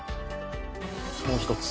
もう一つ。